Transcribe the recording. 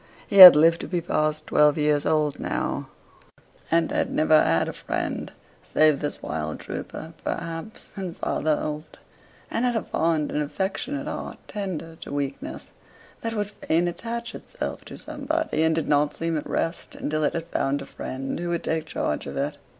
He had lived to be past twelve years old now; and had never had a friend, save this wild trooper, perhaps, and Father Holt; and had a fond and affectionate heart, tender to weakness, that would fain attach itself to somebody, and did not seem at rest until it had found a friend who would take charge of it.